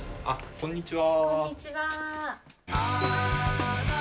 こんにちは。